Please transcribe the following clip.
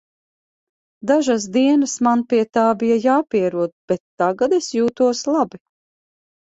Dažas dienas man pie tā bija jāpierod, bet tagad es jūtos labi.